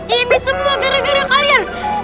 ini semua gara gara kalian